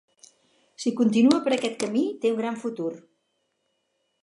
Si continua per aquest camí, té un gran futur.